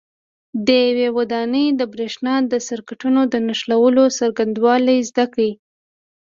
د یوې ودانۍ د برېښنا د سرکټونو د نښلولو څرنګوالي زده کړئ.